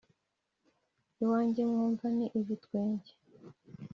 iwanjye mwumva ni ibitwenge.